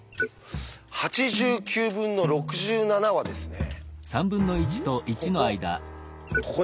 ８９分の６７はですねここ。